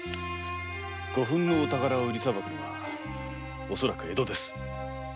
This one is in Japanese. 古墳の宝を売りさばくのはおそらく江戸です。